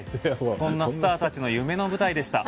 そんなスターたちの夢の舞台でした。